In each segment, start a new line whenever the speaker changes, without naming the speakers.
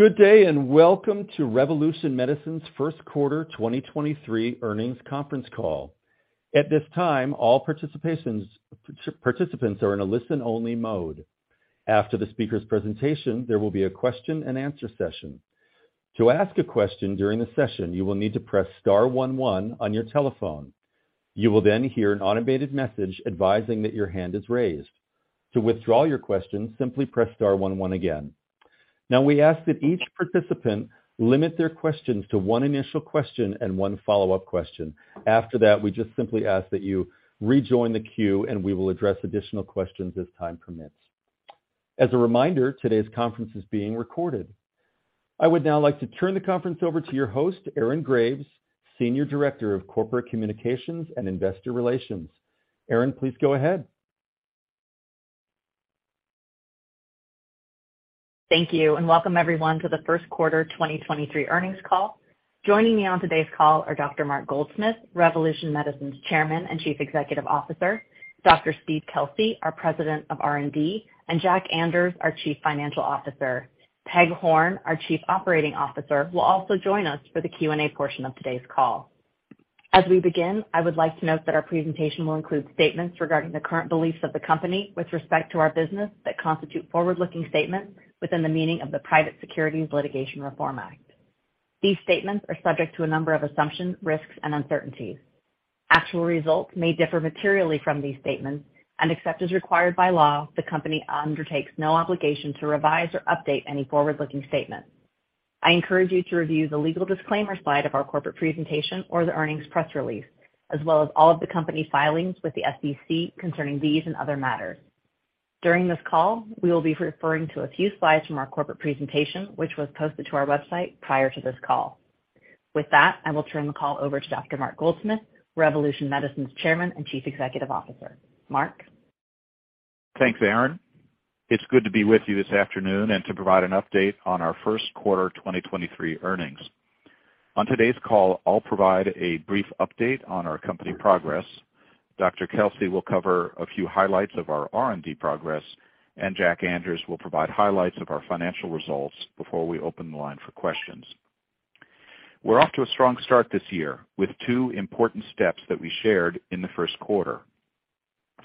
Good day, welcome to Revolution Medicines' first quarter 2023 earnings conference call. At this time, all participants are in a listen-only mode. After the speaker's presentation, there will be a question-and-answer session. To ask a question during the session, you will need to press star one one on your telephone. You will hear an automated message advising that your hand is raised. To withdraw your question, simply press star one one again. We ask that each participant limit their questions to one initial question and one follow-up question. After that, we just simply ask that you rejoin the queue, we will address additional questions as time permits. As a reminder, today's conference is being recorded. I would now like to turn the conference over to your host, Erin Graves, Senior Director of Corporate Communications and Investor Relations. Erin, please go ahead..
Thank you. Welcome, everyone, to the first quarter 2023 earnings call. Joining me on today's call are Dr. Mark Goldsmith, Revolution Medicines' Chairman and Chief Executive Officer; Dr. Steve Kelsey, our President of R&D; and Jack Anders, our Chief Financial Officer. Peg Horn, our Chief Operating Officer, will also join us for the Q&A portion of today's call. As we begin, I would like to note that our presentation will include statements regarding the current beliefs of the company with respect to our business that constitute forward-looking statements within the meaning of the Private Securities Litigation Reform Act. These statements are subject to a number of assumptions, risks, and uncertainties. Actual results may differ materially from these statements. Except as required by law, the company undertakes no obligation to revise or update any forward-looking statement. I encourage you to review the legal disclaimer slide of our corporate presentation or the earnings press release, as well as all of the company filings with the SEC concerning these and other matters. During this call, we will be referring to a few slides from our corporate presentation, which was posted to our website prior to this call. With that, I will turn the call over to Dr. Mark Goldsmith, Revolution Medicines' Chairman and Chief Executive Officer. Mark?
Thanks, Erin. It's good to be with you this afternoon and to provide an update on our 1st quarter 2023 earnings. On today's call, I'll provide a brief update on our company progress. Dr. Kelsey will cover a few highlights of our R&D progress, and Jack Anders will provide highlights of our financial results before we open the line for questions. We're off to a strong start this year with two important steps that we shared in the 1st quarter.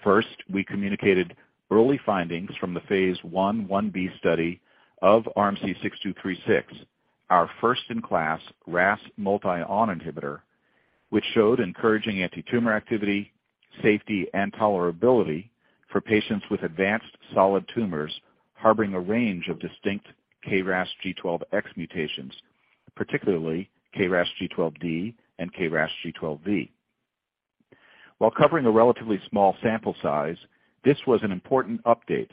First, we communicated early findings from the phase I, Ib study of RMC-6236, our first-in-class RAS multi-ON inhibitor, which showed encouraging antitumor activity, safety, and tolerability for patients with advanced solid tumors harboring a range of distinct KRAS G12X mutations, particularly KRAS G12D and KRAS G12V. While covering a relatively small sample size, this was an important update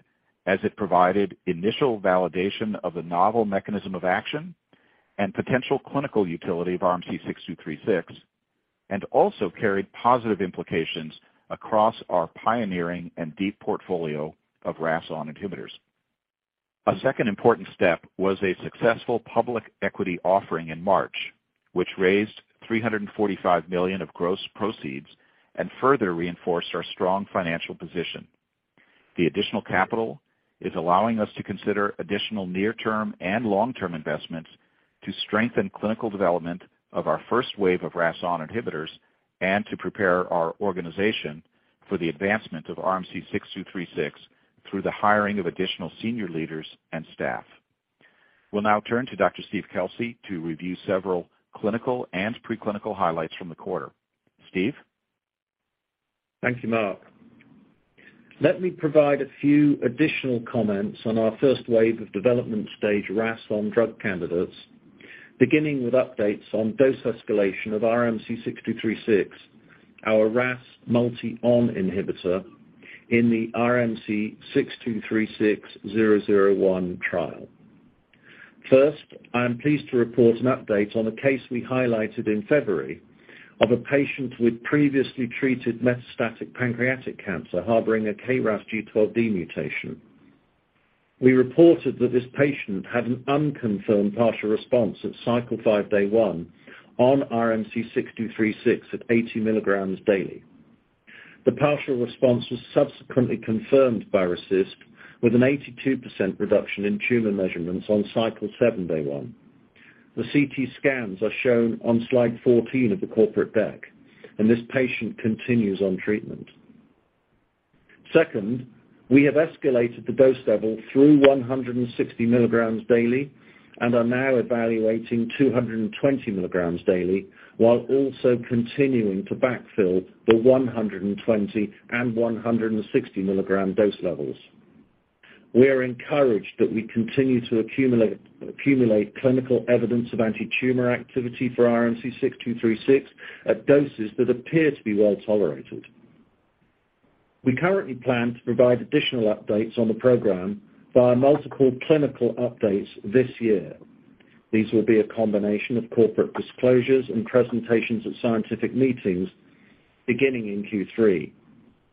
as it provided initial validation of the novel mechanism of action and potential clinical utility of RMC-6236, and also carried positive implications across our pioneering and deep portfolio of RAS(ON) inhibitors. A second important step was a successful public equity offering in March, which raised $345 million of gross proceeds and further reinforced our strong financial position. The additional capital is allowing us to consider additional near-term and long-term investments to strengthen clinical development of our first wave of RAS(ON) inhibitors and to prepare our organization for the advancement of RMC-6236 through the hiring of additional senior leaders and staff. We'll now turn to Dr. Steve Kelsey to review several clinical and preclinical highlights from the quarter. Steve?
Thank you, Mark. Let me provide a few additional comments on our first wave of development stage RAS(ON) drug candidates, beginning with updates on dose escalation of RMC-6236, our RAS multi-(ON) inhibitor in the RMC-6236-001 trial. First, I am pleased to report an update on a case we highlighted in February of a patient with previously treated metastatic pancreatic cancer harboring a KRAS G12D mutation. We reported that this patient had an unconfirmed partial response at cycle 5, day one on RMC-6236 at 80 milligrams daily. The partial response was subsequently confirmed by RECIST with an 82% reduction in tumor measurements on cycle 7, day one. The CT scans are shown on slide 14 of the corporate deck. This patient continues on treatment. Second, we have escalated the dose level through 160 mg daily and are now evaluating 220 mg daily while also continuing to backfill the 120 and 160 mg dose levels. We are encouraged that we continue to accumulate clinical evidence of antitumor activity for RMC-6236 at doses that appear to be well tolerated. We currently plan to provide additional updates on the program via multiple clinical updates this year. These will be a combination of corporate disclosures and presentations at scientific meetings beginning in Q3.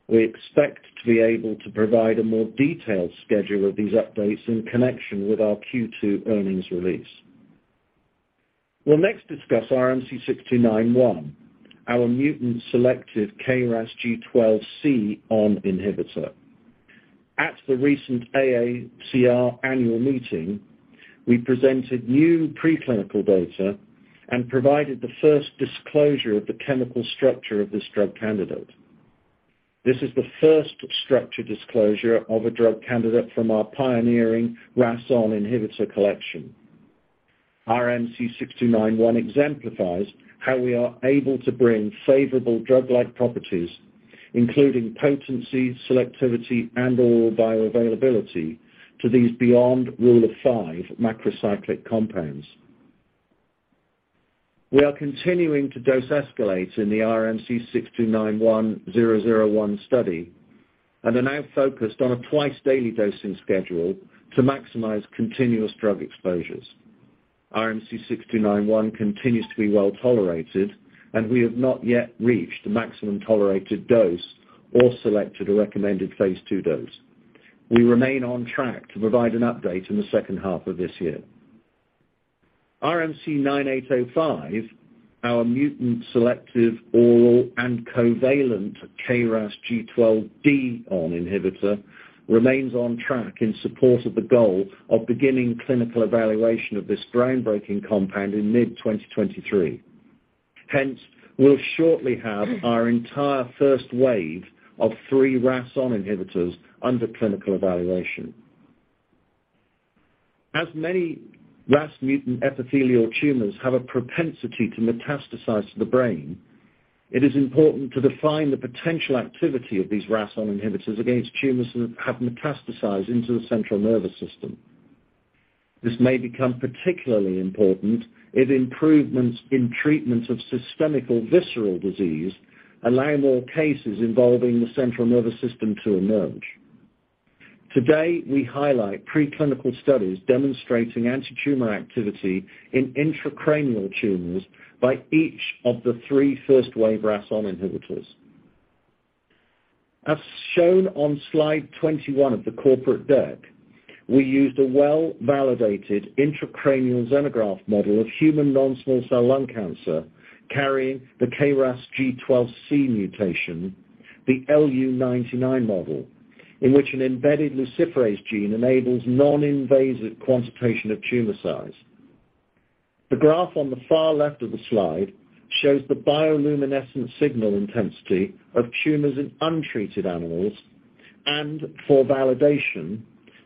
We expect to be able to provide a more detailed schedule of these updates in connection with our Q2 earnings release. We'll next discuss RMC-6291, our mutant-selective KRAS G12C RAS(ON) inhibitor.
At the recent AACR annual meeting, we presented new preclinical data and provided the first disclosure of the chemical structure of this drug candidate. This is the first structure disclosure of a drug candidate from our pioneering RAS(ON) inhibitor collection. RMC-6291 exemplifies how we are able to bring favorable drug-like properties, including potency, selectivity, and oral bioavailability to these beyond rule of five macrocyclic compounds. We are continuing to dose escalate in the RMC-6291-001 study and are now focused on a twice-daily dosing schedule to maximize continuous drug exposures. RMC-6291 continues to be well-tolerated, and we have not yet reached the maximum tolerated dose or selected a recommended phase II dose. We remain on track to provide an update in the second half of this year.
RMC-9805, our mutant-selective oral and covalent KRAS G12D RAS(ON) inhibitor, remains on track in support of the goal of beginning clinical evaluation of this groundbreaking compound in mid-2023. We'll shortly have our entire first wave of three RAS(ON) inhibitors under clinical evaluation. Many RAS mutant epithelial tumors have a propensity to metastasize to the brain, it is important to define the potential activity of these RAS(ON) inhibitors against tumors that have metastasized into the central nervous system. This may become particularly important if improvements in treatment of systemic or visceral disease allow more cases involving the central nervous system to emerge. Today, we highlight preclinical studies demonstrating antitumor activity in intracranial tumors by each of the three first-wave RAS(ON) inhibitors. As shown on slide 21 of the corporate deck, we used a well-validated intracranial xenograft model of human non-small cell lung cancer carrying the KRAS G12C mutation, the LU99 model, in which an embedded luciferase gene enables non-invasive quantitation of tumor size. The graph on the far left of the slide shows the bioluminescent signal intensity of tumors in untreated animals. For validation,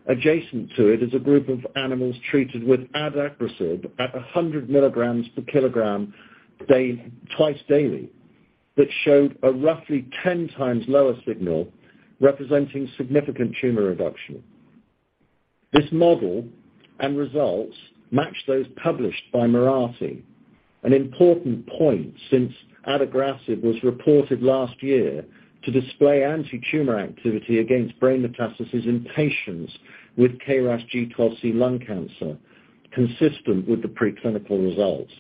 adjacent to it is a group of animals treated with adagrasib at 100 milligrams per kilogram twice daily that showed a roughly 10x lower signal representing significant tumor reduction. This model and results match those published by Mirati, an important point since adagrasib was reported last year to display antitumor activity against brain metastases in patients with KRAS G12C lung cancer, consistent with the preclinical results.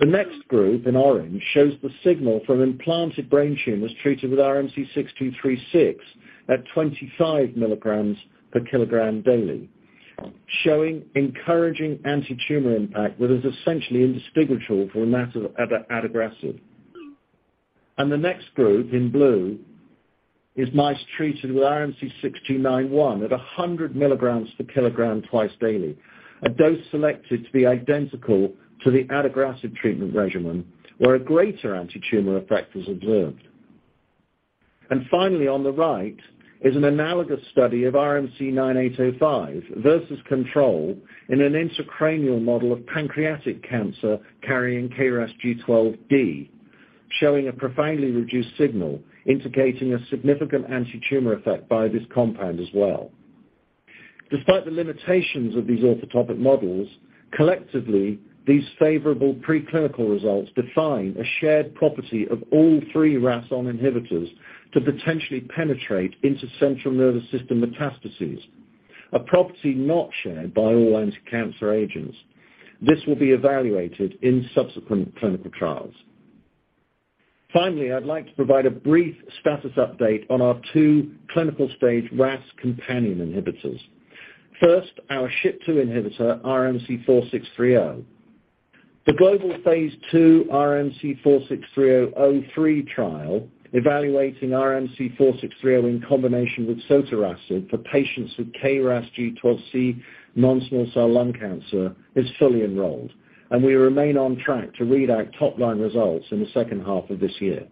The next group in orange shows the signal from implanted brain tumors treated with RMC-6236 at 25 milligrams per kilogram daily, showing encouraging antitumor impact that is essentially indistinguishable from that of adagrasib. The next group in blue is mice treated with RMC-6291 at 100 milligrams per kilogram twice daily, a dose selected to be identical to the adagrasib treatment regimen, where a greater antitumor effect was observed. Finally, on the right is an analogous study of RMC-9805 versus control in an intracranial model of pancreatic cancer carrying KRAS G12D, showing a profoundly reduced signal, indicating a significant antitumor effect by this compound as well. Despite the limitations of these orthotopic models, collectively, these favorable preclinical results define a shared property of all three RAS(ON) inhibitors to potentially penetrate into central nervous system metastases, a property not shared by all anticancer agents. This will be evaluated in subsequent clinical trials. Finally, I'd like to provide a brief status update on our two clinical-stage RAS Companion Inhibitors. First, our SHP2 inhibitor, RMC-4630. The global Phase II RMC-4630-03 trial evaluating RMC-4630 in combination with sotorasib for patients with KRAS G12C non-small cell lung cancer is fully enrolled. We remain on track to read our top-line results in the second half of this year.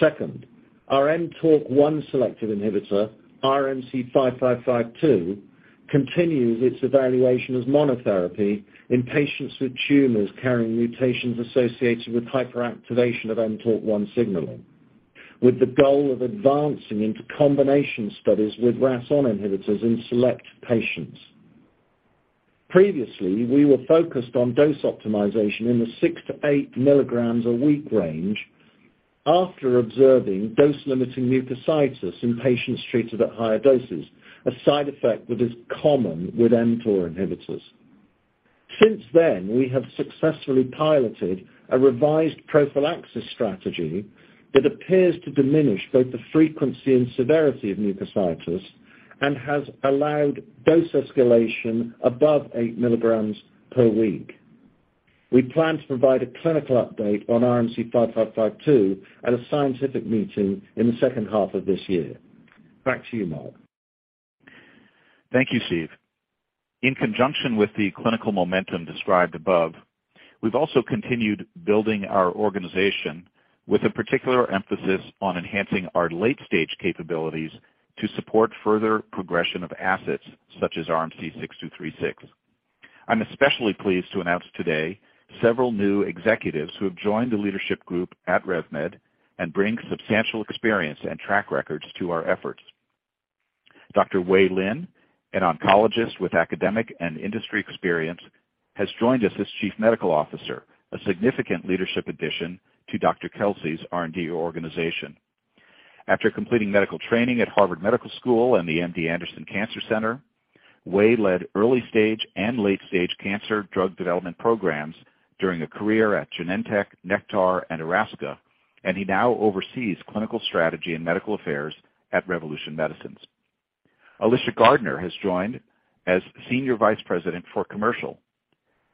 Second, our mTORC1-selective inhibitor, RMC-5552, continues its evaluation as monotherapy in patients with tumors carrying mutations associated with hyperactivation of mTORC1 signaling, with the goal of advancing into combination studies with RAS(ON) inhibitors in select patients. Previously, we were focused on dose optimization in the 6 to 8 mg a week range after observing dose-limiting mucositis in patients treated at higher doses, a side effect that is common with mTOR inhibitors. Since then, we have successfully piloted a revised prophylaxis strategy that appears to diminish both the frequency and severity of mucositis and has allowed dose escalation above 8 mg per week. We plan to provide a clinical update on RMC-5552 at a scientific meeting in the second half of this year. Back to you, Mark.
Thank you, Steve. In conjunction with the clinical momentum described above, we've also continued building our organization with a particular emphasis on enhancing our late-stage capabilities to support further progression of assets such as RMC-6236. I'm especially pleased to announce today several new executives who have joined the leadership group at RevMed and bring substantial experience and track records to our efforts. Dr. Wei Lin, an oncologist with academic and industry experience, has joined us as Chief Medical Officer, a significant leadership addition to Dr. Kelsey's R&D organization. After completing medical training at Harvard Medical School and the MD Anderson Cancer Center, Wei led early-stage and late-stage cancer drug development programs during a career at Genentech, Nektar and Erasca, and he now oversees clinical strategy and medical affairs at Revolution Medicines. Alicia Gardner has joined as Senior Vice President for Commercial.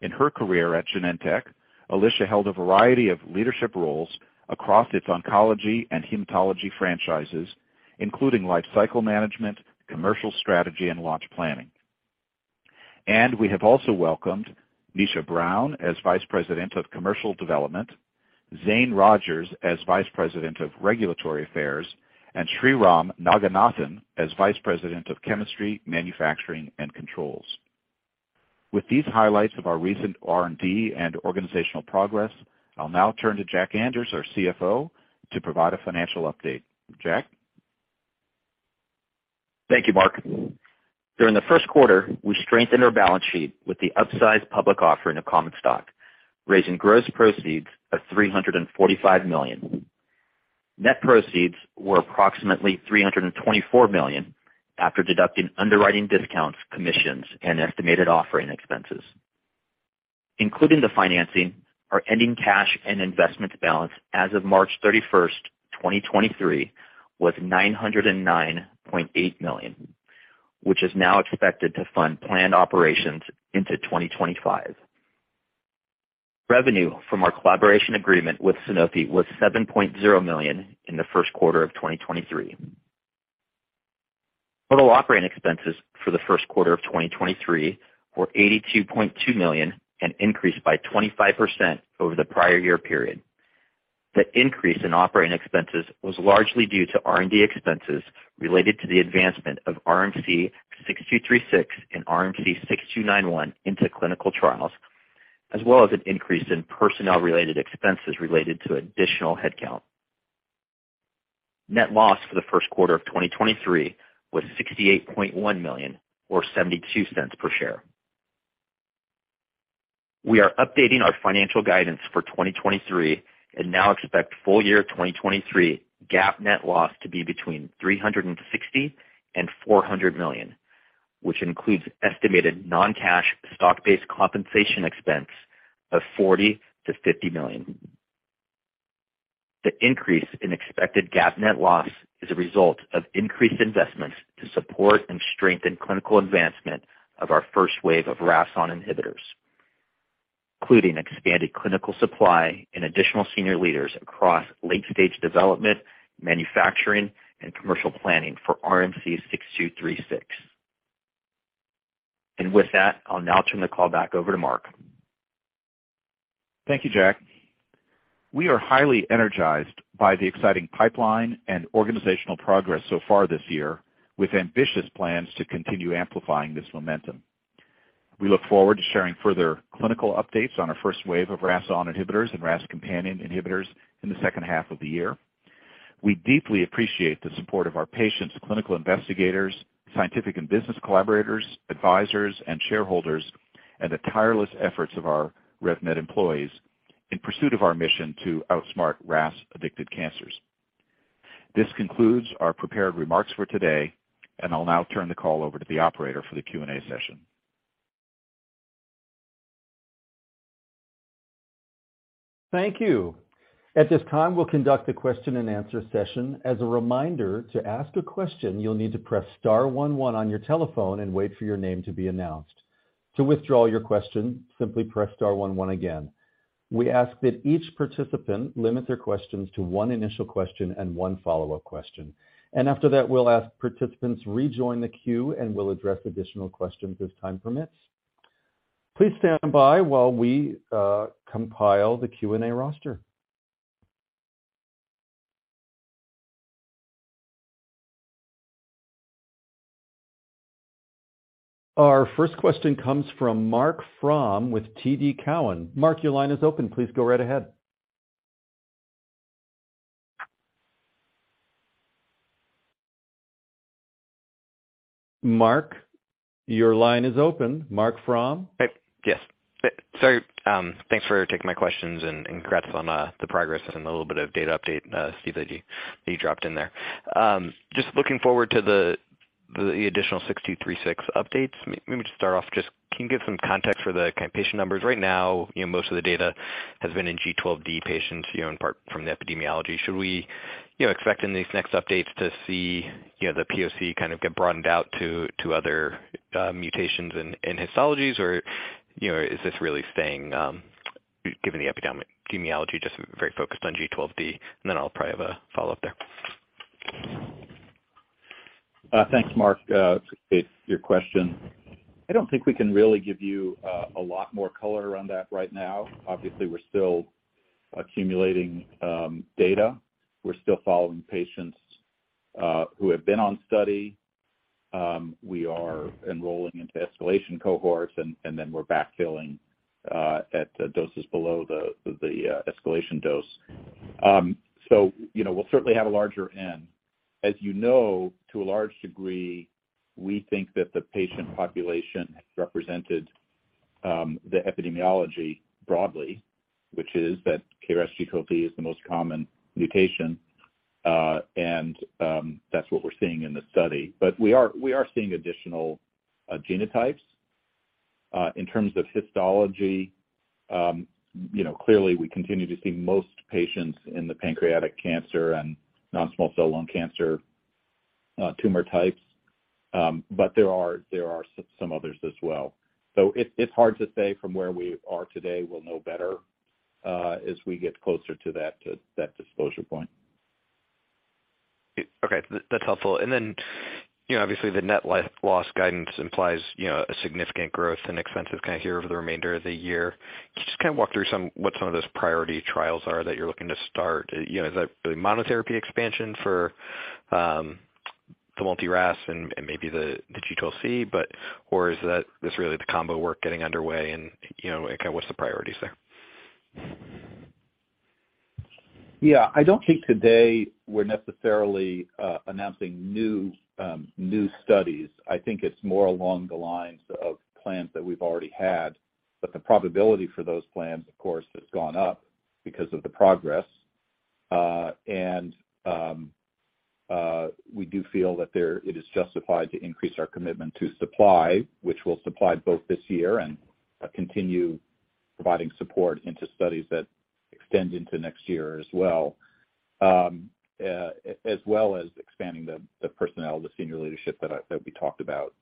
In her career at Genentech, Alicia held a variety of leadership roles across its oncology and hematology franchises, including lifecycle management, commercial strategy and launch planning. We have also welcomed Nisha Brown as Vice President of Commercial Development, Zane Rogers as Vice President of Regulatory Affairs, and Sriram Naganathan as Vice President of Chemistry, Manufacturing and Controls. With these highlights of our recent R&D and organizational progress, I'll now turn to Jack Anders, our CFO, to provide a financial update. Jack?
Thank you, Mark. During the first quarter, we strengthened our balance sheet with the upsized public offering of common stock, raising gross proceeds of $345 million. Net proceeds were approximately $324 million after deducting underwriting discounts, commissions, and estimated offering expenses. Including the financing, our ending cash and investments balance as of March 31st, 2023 was $909.8 million, which is now expected to fund planned operations into 2025. Revenue from our collaboration agreement with Sanofi was $7.0 million in the first quarter of 2023. Total operating expenses for the first quarter of 2023 were $82.2 million and increased by 25% over the prior year period. The increase in operating expenses was largely due to R&D expenses related to the advancement of RMC-6236 and RMC-6291 into clinical trials, as well as an increase in personnel-related expenses related to additional headcount. Net loss for the first quarter of 2023 was $68.1 million or $0.72 per share. We are updating our financial guidance for 2023 and now expect full year 2023 GAAP net loss to be between $360 million and $400 million, which includes estimated non-cash stock-based compensation expense of $40 million-$50 million. The increase in expected GAAP net loss is a result of increased investments to support and strengthen clinical advancement of our first wave of RAS(ON) inhibitors, including expanded clinical supply and additional senior leaders across late-stage development, manufacturing and commercial planning for RMC-6236. With that, I'll now turn the call back over to Mark.
Thank you, Jack. We are highly energized by the exciting pipeline and organizational progress so far this year, with ambitious plans to continue amplifying this momentum. We look forward to sharing further clinical updates on our first wave of RAS(ON) inhibitors and RAS Companion Inhibitors in the second half of the year. We deeply appreciate the support of our patients, clinical investigators, scientific and business collaborators, advisors and shareholders, and the tireless efforts of our RevMed employees in pursuit of our mission to outsmart RAS-addicted cancers. This concludes our prepared remarks for today. I'll now turn the call over to the operator for the Q&A session.
Thank you. At this time, we'll conduct a question-and-answer session. As a reminder, to ask a question, you'll need to press star one one on your telephone and wait for your name to be announced. To withdraw your question, simply press star one one again. We ask that each participant limit their questions to one initial question and one follow-up question. And after that, we'll ask participants rejoin the queue, and we'll address additional questions as time permits. Please stand by while we compile the Q&A roster. Our first question comes from Marc Frahm with TD Cowen. Marc, your line is open. Please go right ahead. Marc Frahm?
Yes. Sorry, thanks for taking my questions and congrats on the progress and the little bit of data update, Steve, that you dropped in there. Just looking forward to the additional RMC-6236 updates. Maybe just start off just can you give some context for the kind of patient numbers? Right now, you know, most of the data has been in G12D patients, you know, in part from the epidemiology. Should we, you know, expect in these next updates to see, you know, the POC kind of get broadened out to other mutations and histologies? Or, you know, is this really staying given the epidemiology, just very focused on G12D? I'll probably have a follow-up there.
Thanks, Mark. To anticipate your question, I don't think we can really give you a lot more color around that right now. Obviously, we're still accumulating data. We're still following patients who have been on study. We are enrolling into escalation cohorts, and then we're backfilling at doses below the escalation dose. You know, we'll certainly have a larger N. As you know, to a large degree, we think that the patient population represented the epidemiology broadly, which is that KRAS G12D is the most common mutation, and that's what we're seeing in the study. We are seeing additional genotypes. In terms of histology, you know, clearly we continue to see most patients in the pancreatic cancer and non-small cell lung cancer tumor types. There are some others as well. It's hard to say from where we are today. We'll know better, as we get closer to that, to that disclosure point.
Okay. That's helpful. Then, you know, obviously the net loss guidance implies, you know, a significant growth in expenses kind of here over the remainder of the year. Can you just kind of walk through what some of those priority trials are that you're looking to start? You know, is that the monotherapy expansion for the multi-RAS and maybe the G12C? Is that just really the combo work getting underway and, you know, kind of what's the priorities there?
Yeah. I don't think today we're necessarily announcing new studies. I think it's more along the lines of plans that we've already had, but the probability for those plans, of course, has gone up because of the progress. We do feel that there, it is justified to increase our commitment to supply, which we'll supply both this year and continue providing support into studies that extend into next year as well, as well as expanding the personnel, the senior leadership that we talked about,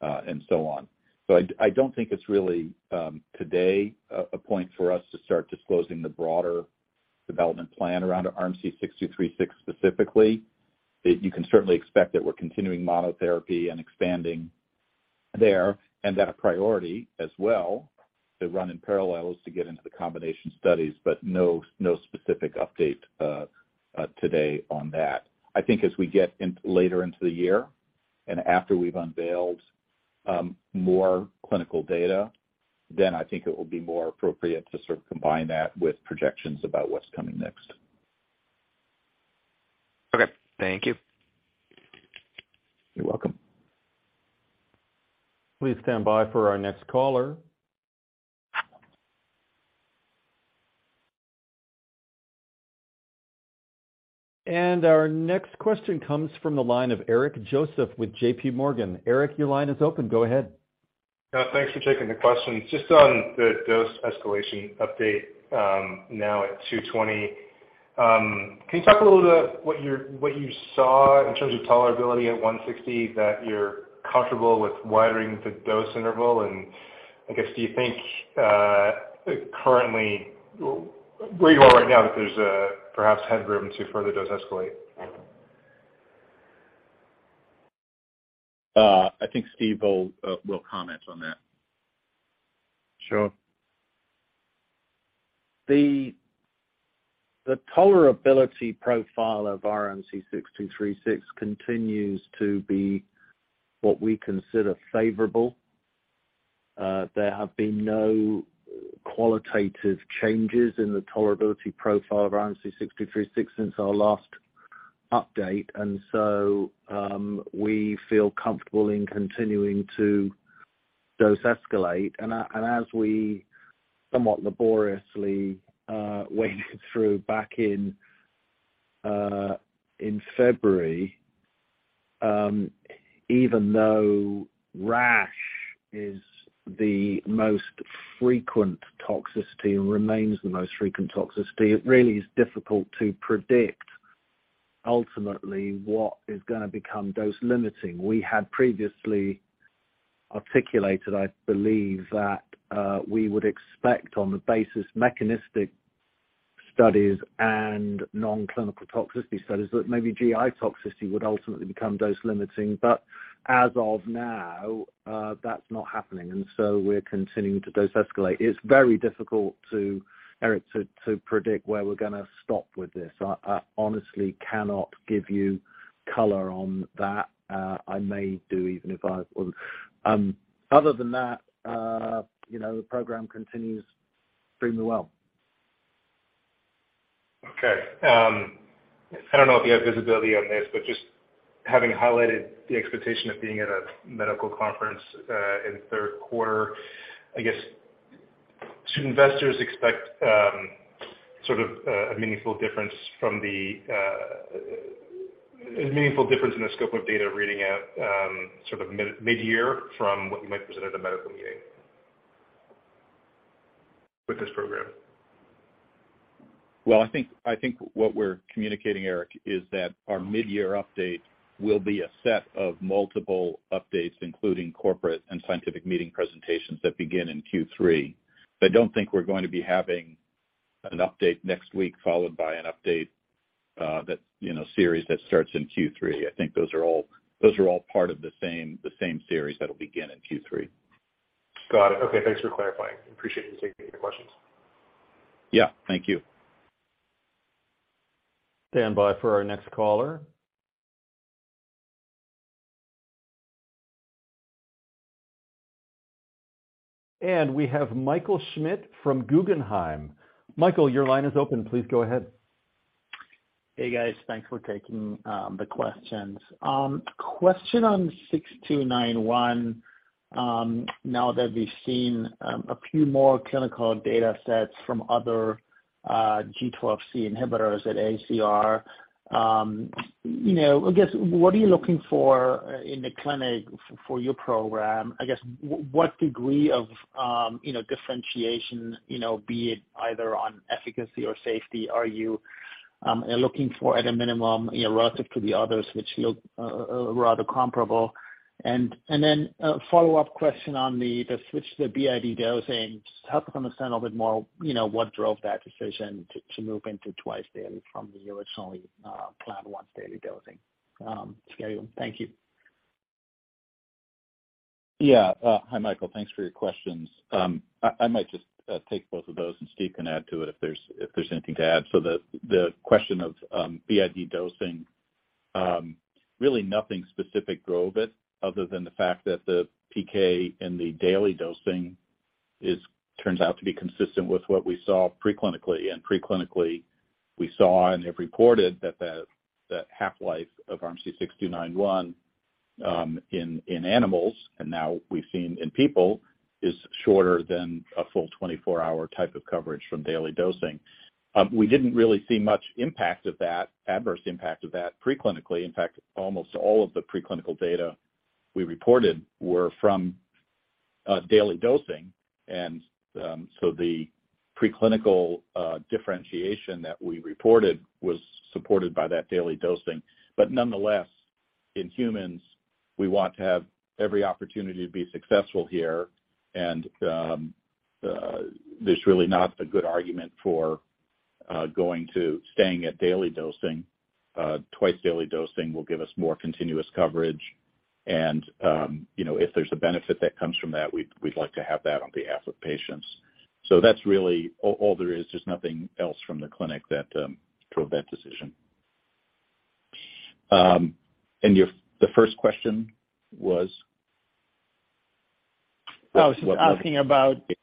and so on. I don't think it's really today a point for us to start disclosing the broader development plan around RMC-6236 specifically. You can certainly expect that we're continuing monotherapy and expanding there, and that a priority as well to run in parallel is to get into the combination studies, but no specific update today on that. I think as we get in, later into the year and after we've unveiled more clinical data, then I think it will be more appropriate to sort of combine that with projections about what's coming next.
Okay. Thank you.
You're welcome.
Please stand by for our next caller. Our next question comes from the line of Eric Joseph with JPMorgan. Eric, your line is open. Go ahead.
Thanks for taking the question. Just on the dose escalation update, now at 220, can you talk a little bit what you're, what you saw in terms of tolerability at 160 that you're comfortable with widening the dose interval? I guess, do you think currently where you are right now that there's perhaps headroom to further dose escalate?
I think Steve will comment on that.
Sure. The tolerability profile of RMC-6236 continues to be what we consider favorable. There have been no qualitative changes in the tolerability profile of RMC-6236 since our last update. We feel comfortable in continuing to dose escalate. As we somewhat laboriously waded through back in February, even though rash is the most frequent toxicity and remains the most frequent toxicity, it really is difficult to predict ultimately what is gonna become dose-limiting. We had previously articulated, I believe, that we would expect on the basis mechanistic studies and non-clinical toxicity studies, that maybe GI toxicity would ultimately become dose-limiting. As of now, that's not happening, we're continuing to dose escalate. It's very difficult to, Eric, to predict where we're gonna stop with this. I honestly cannot give you color on that. I may do even if I. Other than that, you know, the program continues extremely well.
Okay. I don't know if you have visibility on this, but just having highlighted the expectation of being at a medical conference, in third quarter, I guess should investors expect, sort of, a meaningful difference from the. A meaningful difference in the scope of data reading at, sort of mid-year from what you might present at a medical meeting with this program.
Well, I think what we're communicating, Eric, is that our mid-year update will be a set of multiple updates, including corporate and scientific meeting presentations that begin in Q3. I don't think we're going to be having an update next week, followed by an update, that, you know, series that starts in Q3. I think those are all part of the same series that'll begin in Q3.
Got it. Okay, thanks for clarifying. Appreciate you taking the questions.
Yeah, thank you.
Stand by for our next caller. We have Michael Schmidt from Guggenheim. Michael, your line is open. Please go ahead.
Hey, guys. Thanks for taking the questions. Question on RMC-6291, now that we've seen a few more clinical data sets from other G12C inhibitors at AACR, you know, I guess, what are you looking for in the clinic for your program? I guess what degree of, you know, differentiation, you know, be it either on efficacy or safety are you looking for at a minimum, you know, relative to the others which feel rather comparable? Then a follow-up question on the switch to the BID dosing. Just help us understand a bit more, you know, what drove that decision to move into twice-daily from the originally planned once-daily dosing schedule. Thank you.
Yeah. Hi, Michael. Thanks for your questions. I might just take both of those, Steve can add to it if there's anything to add. The question of BID dosing really nothing specific drove it other than the fact that the PK and the daily dosing turns out to be consistent with what we saw pre-clinically. Pre-clinically, we saw and have reported that the half-life of RMC-6291, in animals, and now we've seen in people, is shorter than a full 24-hour type of coverage from daily dosing. We didn't really see much impact of that, adverse impact of that pre-clinically. In fact, almost all of the pre-clinical data we reported were from daily dosing. The pre-clinical differentiation that we reported was supported by that daily dosing. Nonetheless, in humans, we want to have every opportunity to be successful here, and there's really not a good argument for staying at daily dosing. Twice-daily dosing will give us more continuous coverage and, you know, if there's a benefit that comes from that, we'd like to have that on behalf of patients. That's really all there is. There's nothing else from the clinic that drove that decision. Your... The first question was?
I was just asking about the.
Yeah.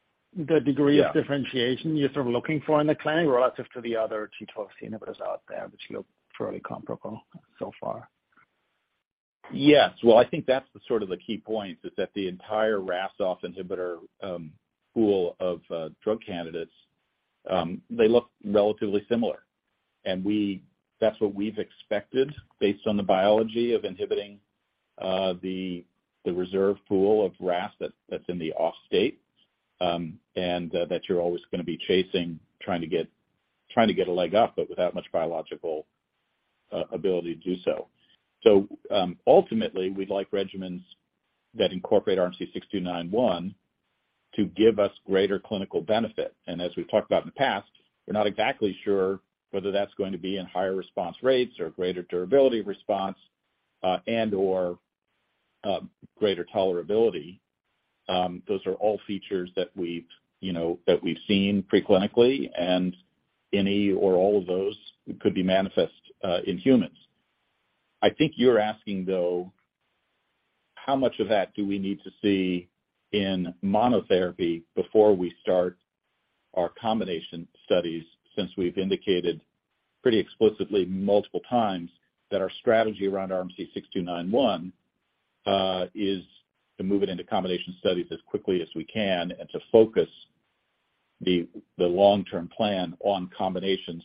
Of differentiation you're sort of looking for in the clinic relative to the other G12C inhibitors out there that you look fairly comparable so far.
Yes. Well, I think that's the sort of the key point is that the entire RAS(OFF) inhibitor, pool of drug candidates, they look relatively similar. That's what we've expected based on the biology of inhibiting, the reserve pool of RAS that's in the off state, and that you're always gonna be chasing, trying to get a leg up, but without much biological ability to do so. Ultimately, we'd like regimens that incorporate RMC-6291 to give us greater clinical benefit. As we've talked about in the past, we're not exactly sure whether that's going to be in higher response rates or greater durability of response, and/or, greater tolerability. Those are all features that we've, you know, that we've seen pre-clinically, and any or all of those could be manifest in humans. I think you're asking, though, how much of that do we need to see in monotherapy before we start our combination studies, since we've indicated pretty explicitly multiple times that our strategy around RMC-6291 is to move it into combination studies as quickly as we can and to focus the long-term plan on combinations.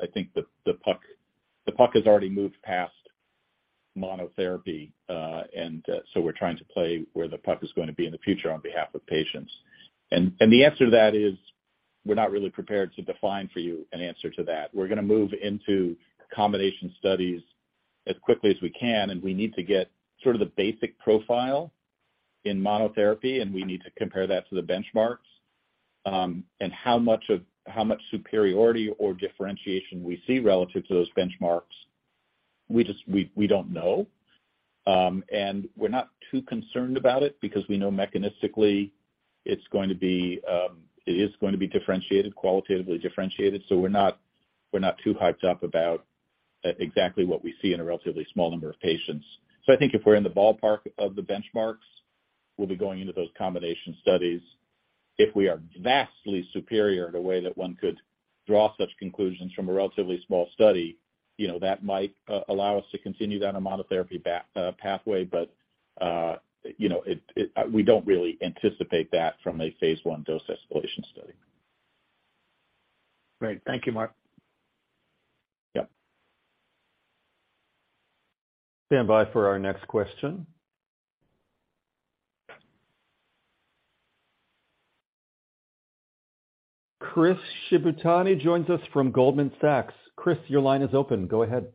I think the puck has already moved past monotherapy, and so we're trying to play where the puck is gonna be in the future on behalf of patients. The answer to that is we're not really prepared to define for you an answer to that. We're gonna move into combination studies as quickly as we can. We need to get sort of the basic profile in monotherapy. We need to compare that to the benchmarks. How much superiority or differentiation we see relative to those benchmarks, we don't know. We're not too concerned about it because we know mechanistically it's going to be, it is going to be differentiated, qualitatively differentiated, so we're not too hyped up about exactly what we see in a relatively small number of patients. I think if we're in the ballpark of the benchmarks, we'll be going into those combination studies. If we are vastly superior in a way that one could draw such conclusions from a relatively small study, you know, that might allow us to continue down a monotherapy pathway. You know, it, we don't really anticipate that from a phase 1 dose-escalation study.
Great. Thank you, Mark.
Yep.
Stand by for our next question. Chris Shibutani joins us from Goldman Sachs. Chris, your line is open. Go ahead.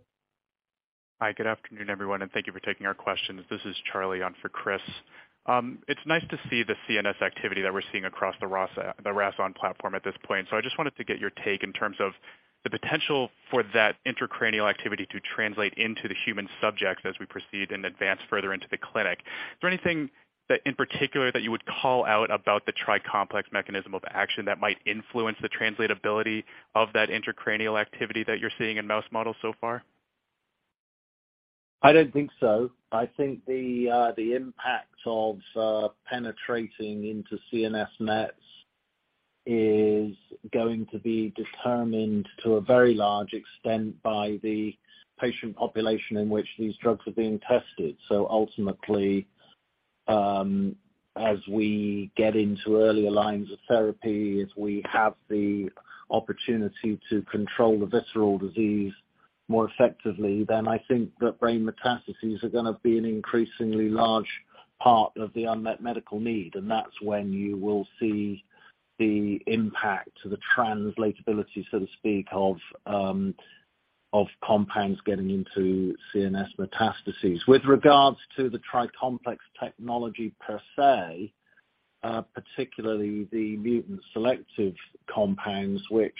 Hi, good afternoon, everyone, and thank you for taking our questions. This is Charlie on for Chris. It's nice to see the CNS activity that we're seeing across the RasON platform at this point. I just wanted to get your take in terms of the potential for that intracranial activity to translate into the human subjects as we proceed and advance further into the clinic. Is there anything that, in particular, that you would call out about the tri-complex mechanism of action that might influence the translatability of that intracranial activity that you're seeing in mouse models so far?
I don't think so. I think the impact of penetrating into CNS nets is going to be determined, to a very large extent, by the patient population in which these drugs are being tested. Ultimately, as we get into earlier lines of therapy, as we have the opportunity to control the visceral disease more effectively, then I think that brain metastases are gonna be an increasingly large part of the unmet medical need. That's when you will see the impact of the translatability, so to speak, of compounds getting into CNS metastases. With regards to the tri-complex technology per se, particularly the mutant-selective compounds which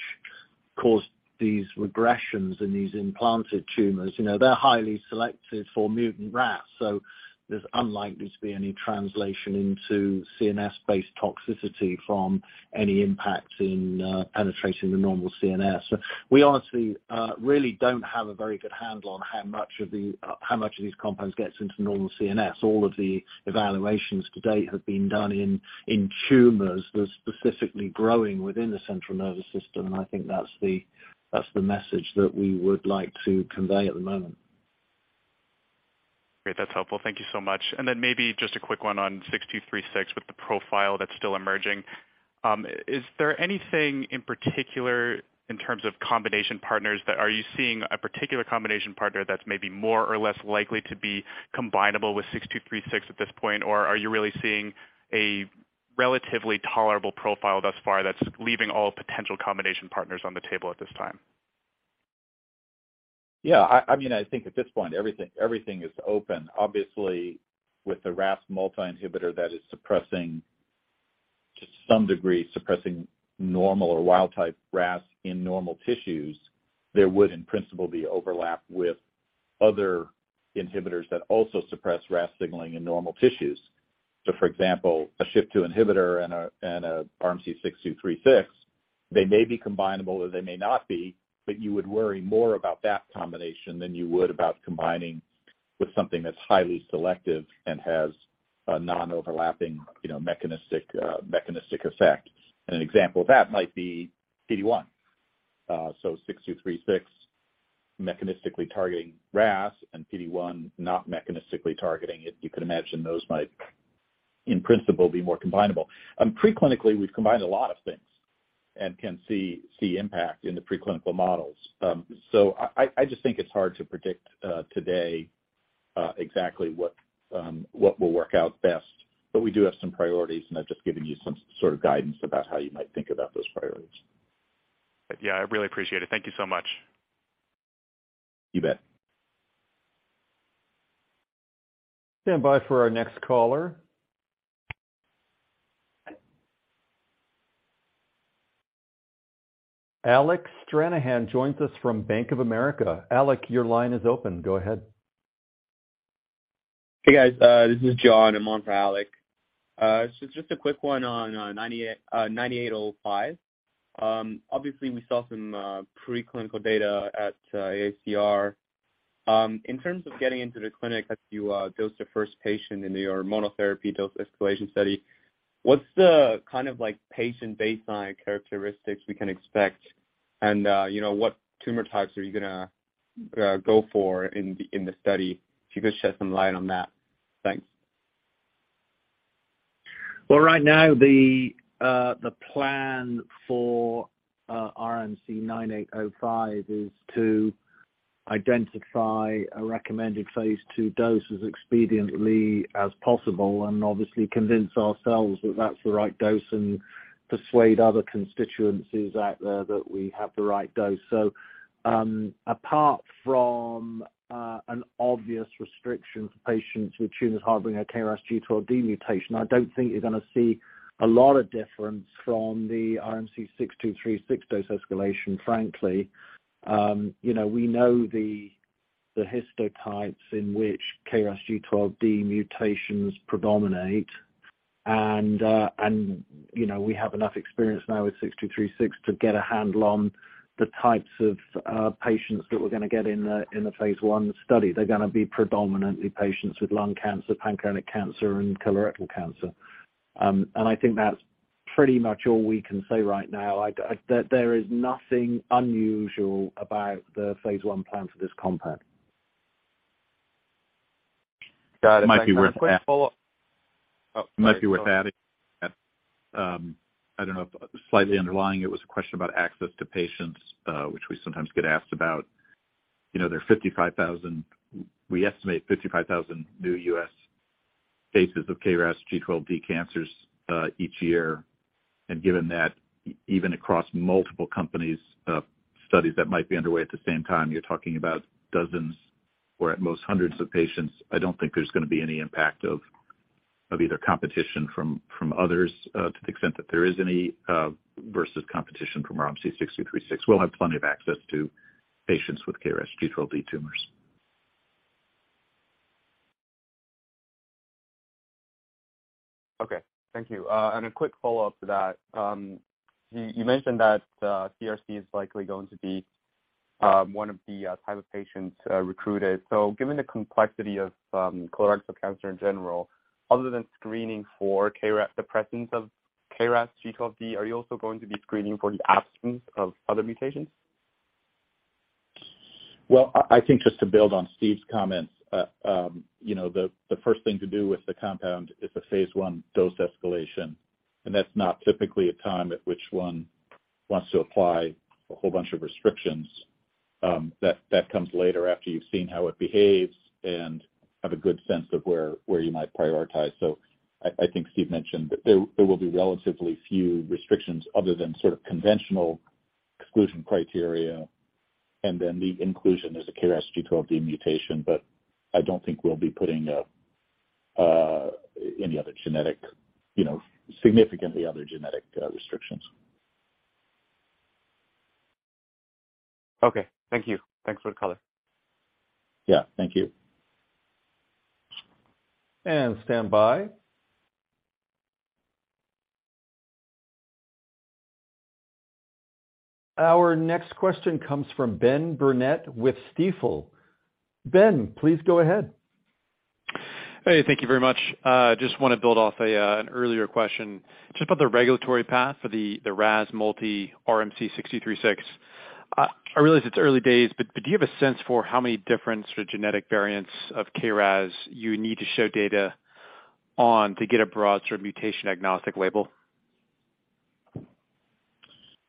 caused these regressions in these implanted tumors, you know, they're highly selective for mutant RAS, so there's unlikely to be any translation into CNS-based toxicity from any impact in penetrating the normal CNS. We honestly really don't have a very good handle on how much of these compounds gets into normal CNS. All of the evaluations to date have been done in tumors that are specifically growing within the central nervous system, and I think that's the message that we would like to convey at the moment.
Great. That's helpful. Thank you so much. Then maybe just a quick one on RMC-6236 with the profile that's still emerging. Is there anything in particular in terms of combination partners that are you seeing a particular combination partner that's maybe more or less likely to be combinable with RMC-6236 at this point? Or are you really seeing a relatively tolerable profile thus far that's leaving all potential combination partners on the table at this time?
I mean, I think at this point, everything is open. Obviously, with the RAS multi-inhibitor that is, to some degree, suppressing normal or wild-type RAS in normal tissues, there would, in principle, be overlap with other inhibitors that also suppress RAS signaling in normal tissues. For example, a SHP2 inhibitor and a RMC-6236, they may be combinable, or they may not be, but you would worry more about that combination than you would about combining with something that's highly selective and has a non-overlapping, you know, mechanistic effect. An example of that might be PD-1. RMC-6236 mechanistically targeting RAS and PD-1 not mechanistically targeting it, you could imagine those might, in principle, be more combinable. Preclinically, we've combined a lot of things and can see impact in the preclinical models. I just think it's hard to predict today exactly what will work out best, but we do have some priorities, and I've just given you some sort of guidance about how you might think about those priorities.
Yeah, I really appreciate it. Thank you so much.
You bet.
Stand by for our next caller. Alec Stranahan joins us from Bank of America. Alex, your line is open. Go ahead.
Hey, guys. This is John. I'm on for Alex. Just a quick one on RMC-9805. Obviously, we saw some preclinical data at AACR. In terms of getting into the clinic as you dose the first patient in your monotherapy dose escalation study, what's the kind of like patient baseline characteristics we can expect? You know, what tumor types are you gonna go for in the study? If you could shed some light on that. Thanks.
Well, right now the plan for RMC-9805 is to identify a recommended phase 2 dose as expediently as possible and obviously convince ourselves that that's the right dose and persuade other constituencies out there that we have the right dose. Apart from an obvious restriction for patients with tumors harboring a KRAS G12D mutation, I don't think you're gonna see a lot of difference from the RMC-6236 dose escalation, frankly. You know, we know the histotypes in which KRAS G12D mutations predominate. You know, we have enough experience now with 6236 to get a handle on the types of patients that we're gonna get in the phase 1 study. They're gonna be predominantly patients with lung cancer, pancreatic cancer, and colorectal cancer. I think that's pretty much all we can say right now. There is nothing unusual about the phase I plan for this compound.
Got it. Can I ask a quick follow-up?
It might be worth adding that, I don't know if slightly underlying it was a question about access to patients, which we sometimes get asked about. You know, We estimate 55,000 new U.S. cases of KRAS G12D cancers each year. Given that even across multiple companies, studies that might be underway at the same time, you're talking about dozens or at most hundreds of patients. I don't think there's gonna be any impact of either competition from others to the extent that there is any versus competition from RMC-6236. We'll have plenty of access to patients with KRAS G12D tumors.
Okay. Thank you. A quick follow-up to that. You mentioned that, CRC is likely going to be, one of the, type of patients, recruited. Given the complexity of, colorectal cancer in general, other than screening for KRAS, the presence of KRAS G12D, are you also going to be screening for the absence of other mutations?
I think just to build on Steve's comments, you know, the first thing to do with the compound is a phase I dose escalation, and that's not typically a time at which one wants to apply a whole bunch of restrictions. That comes later after you've seen how it behaves and have a good sense of where you might prioritize. I think Steve mentioned there will be relatively few restrictions other than sort of conventional exclusion criteria, and then the inclusion is a KRAS G12D mutation. I don't think we'll be putting any other genetic, you know, significantly other genetic, restrictions.
Okay. Thank you. Thanks for the color.
Yeah. Thank you.
Stand by. Our next question comes from Ben Burnett with Stifel. Ben, please go ahead.
Hey, thank you very much. Just wanna build off a an earlier question just about the regulatory path for the RAS multi RMC-6236. I realize it's early days, but do you have a sense for how many different sort of genetic variants of KRAS you need to show data on to get a broad sort of mutation agnostic label?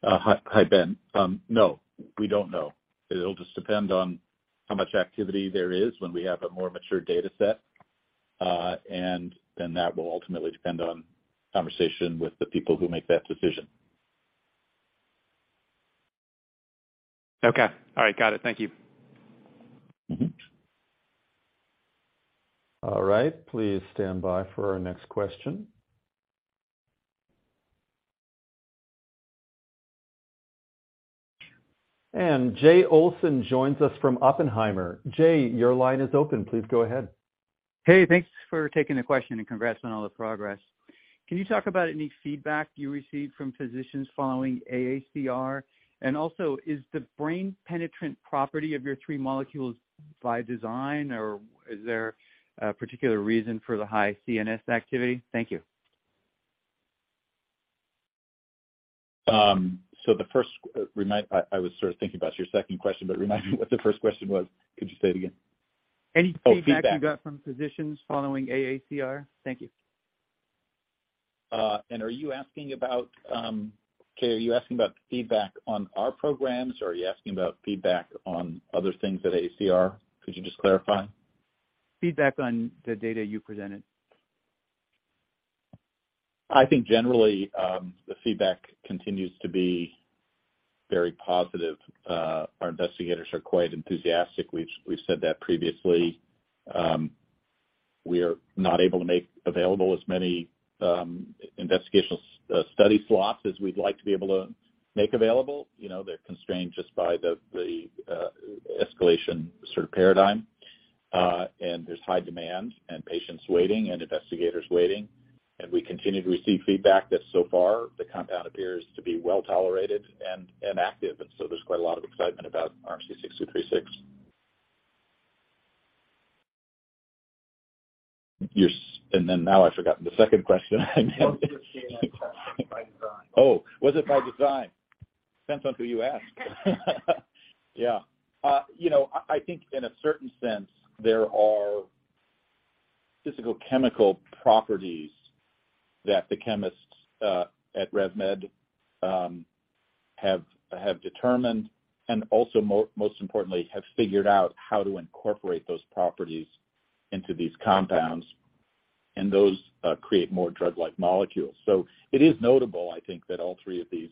Hi. Hi, Ben. No, we don't know. It'll just depend on how much activity there is when we have a more mature dataset, and then that will ultimately depend on conversation with the people who make that decision.
Okay. All right. Got it. Thank you.
Mm-hmm.
All right. Please stand by for our next question. Jay Olson joins us from Oppenheimer. Jay, your line is open. Please go ahead.
Hey, thanks for taking the question, and congrats on all the progress. Can you talk about any feedback you received from physicians following AACR? Also, is the brain penetrant property of your three molecules by design, or is there a particular reason for the high CNS activity? Thank you.
Remind, I was sort of thinking about your second question, but remind me what the first question was. Could you say it again?
Any feedback-
Oh, feedback.
-you got from physicians following AACR? Thank you.
Okay, are you asking about feedback on our programs, or are you asking about feedback on other things at AACR? Could you just clarify?
Feedback on the data you presented.
I think generally, the feedback continues to be very positive. Our investigators are quite enthusiastic. We've, we've said that previously. We are not able to make available as many investigational study slots as we'd like to be able to make available. You know, they're constrained just by the escalation sort of paradigm, and there's high demand and patients waiting and investigators waiting. We continue to receive feedback that so far the compound appears to be well-tolerated and active, and so there's quite a lot of excitement about RMC-6236. Now I've forgotten the second question.
Was it by design?
Oh, was it by design? Depends on who you ask. Yeah. you know, I think in a certain sense, there are physical chemical properties that the chemists at RevMed have determined and also most importantly, have figured out how to incorporate those properties into these compounds, and those create more drug-like molecules. It is notable, I think, that all three of these,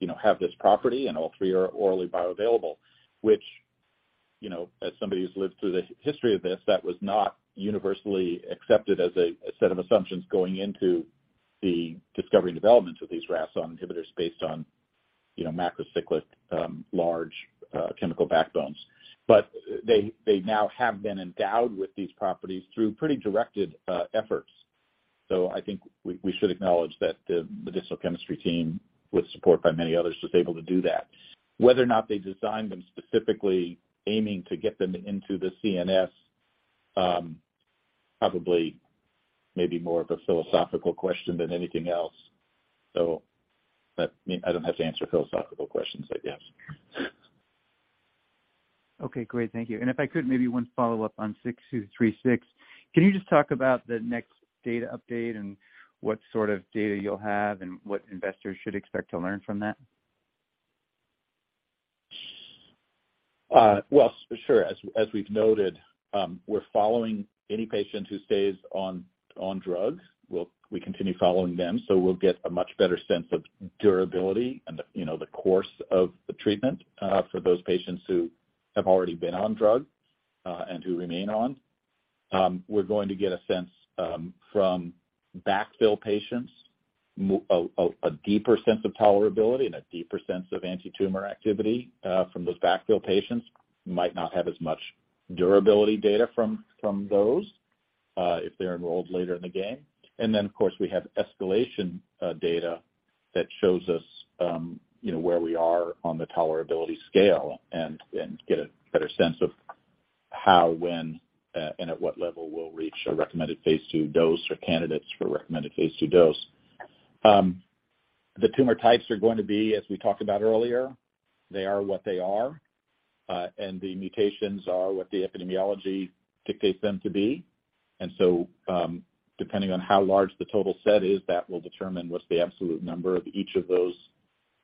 you know, have this property and all three are orally bioavailable, which, you know, as somebody who's lived through the history of this, that was not universally accepted as a set of assumptions going into the discovery and development of these RAS inhibitors based on, you know, macrocyclic, large, chemical backbones. They now have been endowed with these properties through pretty directed efforts. I think we should acknowledge that the medicinal chemistry team, with support by many others, was able to do that. Whether or not they designed them specifically aiming to get them into the CNS, probably maybe more of a philosophical question than anything else. That mean I don't have to answer philosophical questions, I guess.
Okay, great. Thank you. If I could maybe one follow-up on RMC-6236. Can you just talk about the next data update and what sort of data you'll have and what investors should expect to learn from that?
Well, sure. As we've noted, we're following any patient who stays on drugs. We continue following them, so we'll get a much better sense of durability and the, you know, the course of the treatment for those patients who have already been on drug and who remain on. We're going to get a sense from backfill patients, a deeper sense of tolerability and a deeper sense of antitumor activity from those backfill patients. Might not have as much durability data from those if they're enrolled later in the game. Of course, we have escalation data that shows us, you know, where we are on the tolerability scale and get a better sense of how, when, and at what level we'll reach a recommended phase II dose or candidates for recommended phase II dose. The tumor types are going to be, as we talked about earlier, they are what they are, and the mutations are what the epidemiology dictates them to be. Depending on how large the total set is, that will determine what's the absolute number of each of those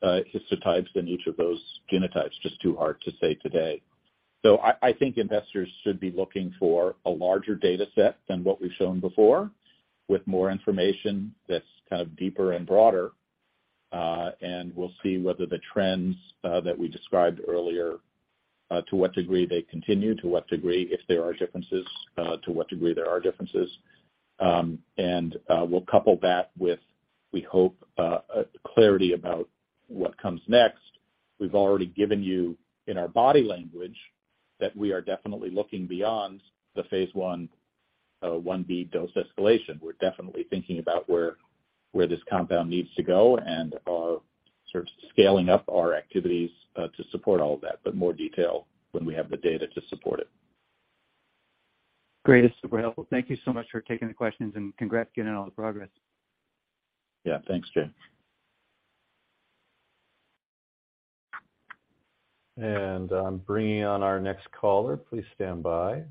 histotypes and each of those genotypes. Just too hard to say today. I think investors should be looking for a larger data set than what we've shown before, with more information that's kind of deeper and broader. We'll see whether the trends that we described earlier to what degree they continue, to what degree, if there are differences, to what degree there are differences. We'll couple that with, we hope, clarity about what comes next. We've already given you in our body language that we are definitely looking beyond the phase I, Ib dose escalation. We're definitely thinking about where this compound needs to go and are sort of scaling up our activities to support all of that, but more detail when we have the data to support it.
Great. It's super helpful. Thank you so much for taking the questions and congrats again on all the progress.
Yeah, thanks, Jay.
I'm bringing on our next caller. Please stand by.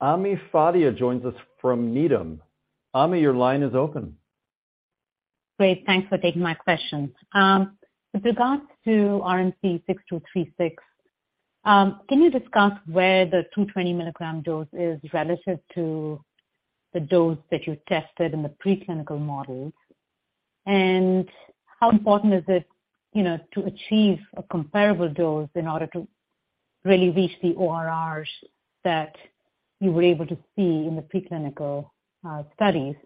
Ami Fadia joins us from Needham. Ami, your line is open.
Great. Thanks for taking my question. With regards to RMC-6236, can you discuss where the 220 milligram dose is relative to the dose that you tested in the preclinical models? How important is it, you know, to achieve a comparable dose in order to really reach the ORRs that you were able to see in the preclinical studies?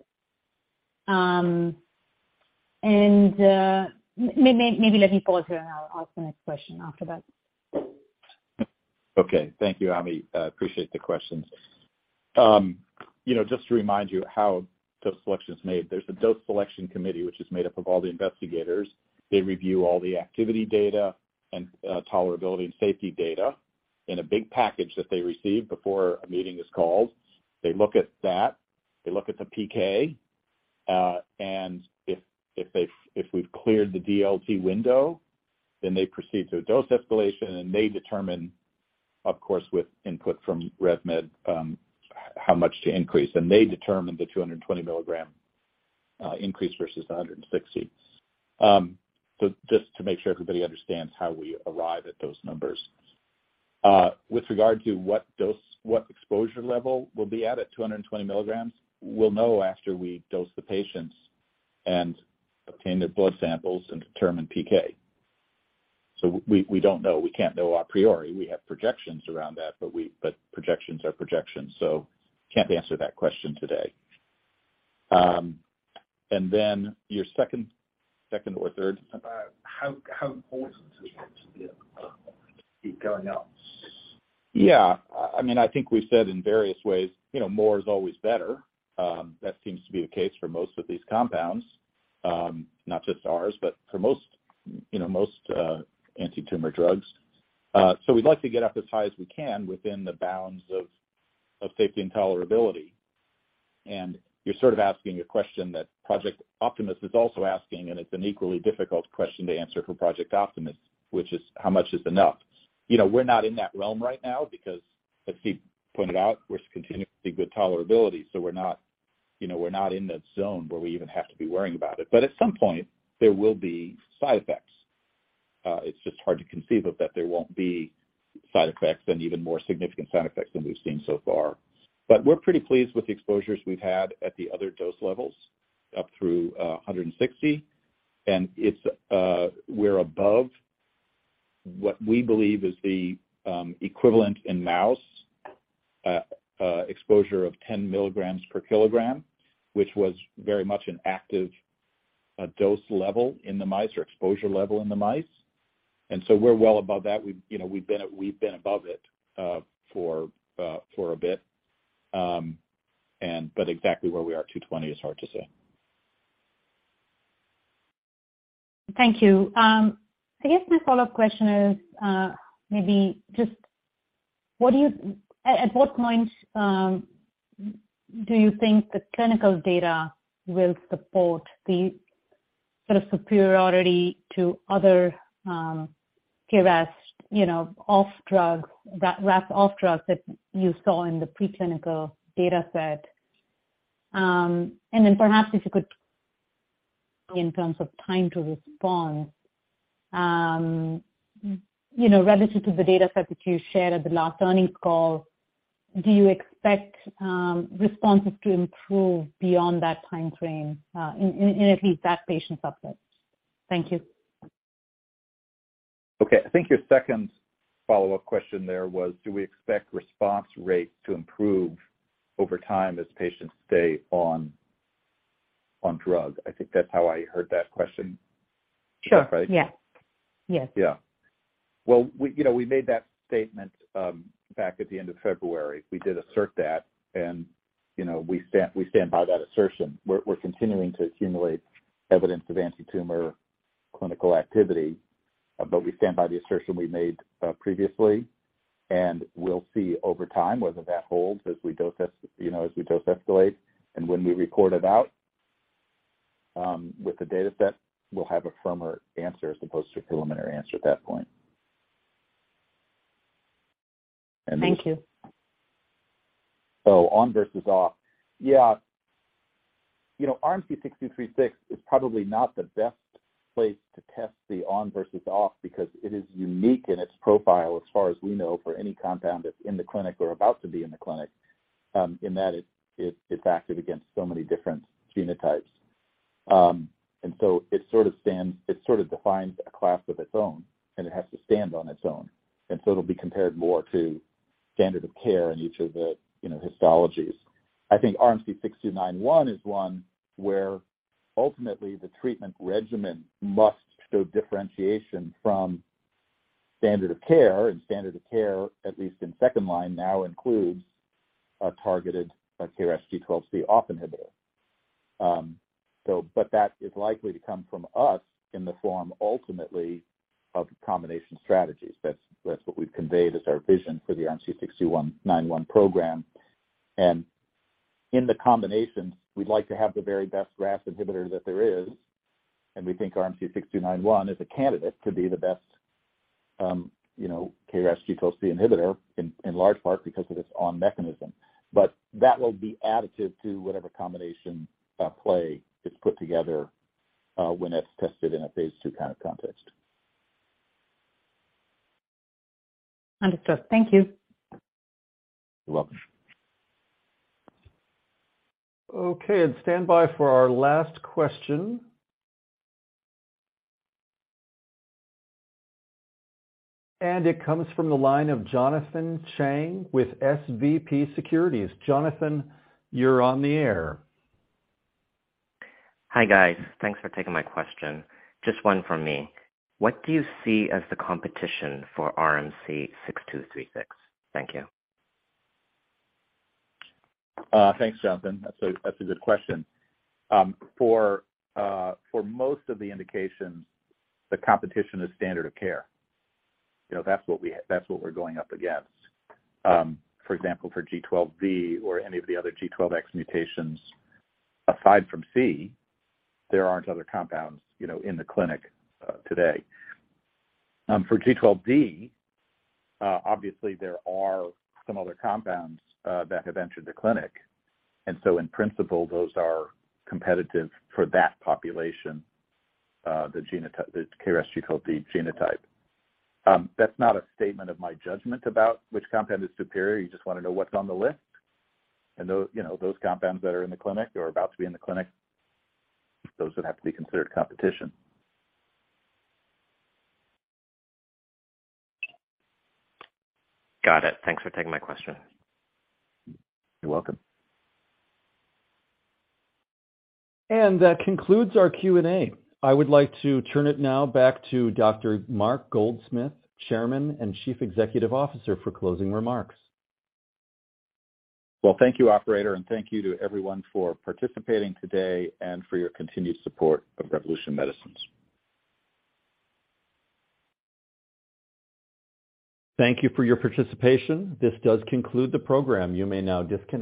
Maybe let me pause here, and I'll ask the next question after that.
Okay. Thank you, Ami. I appreciate the questions. You know, just to remind you how dose selection is made, there's a dose selection committee which is made up of all the investigators. They review all the activity data and tolerability and safety data in a big package that they receive before a meeting is called. They look at that. They look at the PK. If we've cleared the DLT window, they proceed to a dose escalation, and they determine, of course, with input from Revolution Medicines, how much to increase. They determine the 220 milligram increase versus the 160. Just to make sure everybody understands how we arrive at those numbers. With regard to what dose, what exposure level we'll be at at 220 milligrams, we'll know after we dose the patients and obtain their blood samples and determine PK. We don't know. We can't know a priori. We have projections around that, but projections are projections. Can't answer that question today. Your second or third?
how important is it to be, keep going up?
Yeah. I mean, I think we said in various ways, you know, more is always better. That seems to be the case for most of these compounds, not just ours, but for most, you know, most antitumor drugs. We'd like to get up as high as we can within the bounds of safety and tolerability. You're sort of asking a question that Project Optimus is also asking, and it's an equally difficult question to answer for Project Optimus, which is how much is enough? You know, we're not in that realm right now because as Steve pointed out, we're continuing to see good tolerability, we're not, you know, we're not in that zone where we even have to be worrying about it. At some point, there will be side effects. It's just hard to conceive of that there won't be side effects and even more significant side effects than we've seen so far. We're pretty pleased with the exposures we've had at the other dose levels up through 160. It's, we're above what we believe is the equivalent in mouse exposure of 10 milligrams per kilogram, which was very much an active dose level in the mice or exposure level in the mice. We're well above that. We've, you know, we've been above it for a bit. Exactly where we are, 220 is hard to say.
Thank you. I guess my follow-up question is, at what point do you think the clinical data will support the sort of superiority to other KRAS, you know, off drugs, that RAF off drugs that you saw in the preclinical data set? Perhaps if you could in terms of time to respond, you know, relative to the data set that you shared at the last earnings call, do you expect responses to improve beyond that time frame in at least that patient subset? Thank you.
Okay. I think your second follow-up question there was, do we expect response rate to improve over time as patients stay on drug? I think that's how I heard that question.
Sure.
Is that right?
Yeah. Yes.
Yeah. Well, we, you know, we made that statement, back at the end of February. We did assert that and, you know, we stand by that assertion. We're continuing to accumulate evidence of anti-tumor clinical activity, but we stand by the assertion we made previously, and we'll see over time whether that holds you know, as we dose escalate and when we report it out, with the data set, we'll have a firmer answer as opposed to a preliminary answer at that point.
Thank you.
On versus off. Yeah. You know, RMC-6236 is probably not the best place to test the on versus off because it is unique in its profile as far as we know for any compound that's in the clinic or about to be in the clinic, in that it's active against so many different genotypes. It sort of defines a class of its own, and it has to stand on its own. It'll be compared more to standard of care in each of the, you know, histologies. I think RMC-6291 is one where ultimately the treatment regimen must show differentiation from standard of care, and standard of care, at least in second line, now includes a targeted KRAS G12C off inhibitor. That is likely to come from us in the form ultimately of combination strategies. That's what we've conveyed as our vision for the RMC-6291 program. In the combinations, we'd like to have the very best RAS inhibitor that there is, and we think RMC-6291 is a candidate to be the best, you know, KRAS G12C inhibitor in large part because of its RAS(ON) mechanism. That will be additive to whatever combination play is put together when it's tested in a phase 2 kind of context.
Understood. Thank you.
You're welcome.
Okay, stand by for our last question. It comes from the line of Jonathan Chang with SVB Securities. Jonathan, you're on the air.
Hi, guys. Thanks for taking my question. Just one from me. What do you see as the competition for RMC-6236? Thank you.
Thanks, Jonathan. That's a good question. For most of the indications, the competition is standard of care. You know, that's what we're going up against. For example, for G12V or any of the other G12X mutations, aside from C, there aren't other compounds, you know, in the clinic today. For G12V, obviously there are some other compounds that have entered the clinic, in principle, those are competitive for that population, the genotype, the KRAS G12V genotype. That's not a statement of my judgment about which compound is superior. You just wanna know what's on the list? You know, those compounds that are in the clinic or about to be in the clinic, those would have to be considered competition.
Got it. Thanks for taking my question.
You're welcome.
That concludes our Q&A. I would like to turn it now back to Dr. Mark Goldsmith, Chairman and Chief Executive Officer, for closing remarks.
Well, thank you, operator, and thank you to everyone for participating today and for your continued support of Revolution Medicines.
Thank you for your participation. This does conclude the program. You may now disconnect.